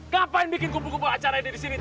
kenapa bikin kumpul kumpul acara ini disini